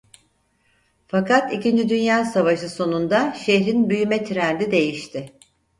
Fakat ikinci Dünya Savaşı sonunda şehrin büyüme trendi değişti.